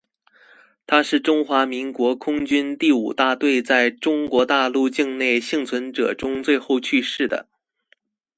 他是中华民国空军第五大队在中国大陆境内幸存者中最后去世的。